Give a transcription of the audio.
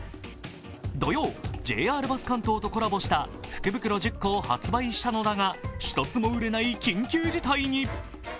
土曜、ＪＲバス関東とコラボした福袋１０個を発売したのだが１つも売れない緊急事態に。